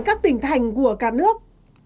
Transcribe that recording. các tỉnh thành của cả nước